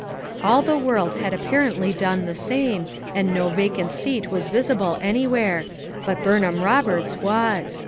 All the world had apparently done the same and no vacant seat was visible anywhere^ but Burnham Roberts was.